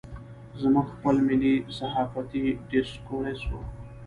زموږ خپل ملي صحافتي ډسکورس و.